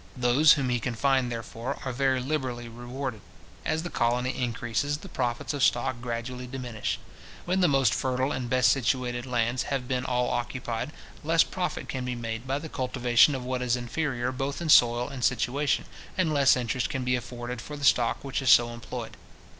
Those whom he can find, therefore, are very liberally rewarded. As the colony increases, the profits of stock gradually diminish. When the most fertile and best situated lands have been all occupied, less profit can be made by the cultivation of what is inferior both in soil and situation, and less interest can be afforded for the stock which is so employed.